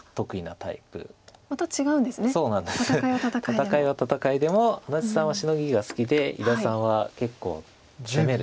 戦いは戦いでも安達さんはシノギが好きで伊田さんは結構攻める。